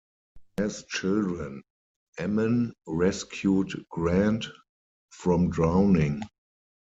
As children, Ammen rescued Grant from drowning.